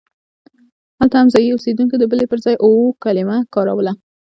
هلته هم ځایي اوسېدونکو د بلې پر ځای اوو کلمه کاروله.